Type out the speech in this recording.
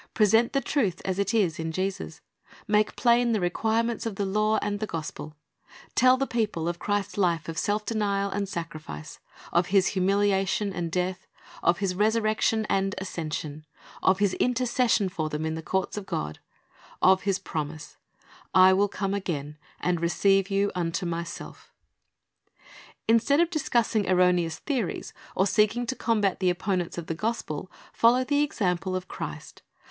Present the truth as it is in Jesus. Make plain the requirements of the law and the gospel. Tell the people of Christ's life of self denial and sacrifice; of His humiliation and death; of His resurrection and ascension; of His intercession for them in the courts of God; of His promise, "I will come again, and receive you unto Myself"^ Listead of discussing erroneous theories, or seeking to combat the opponents of the gospel, follow the example of Christ.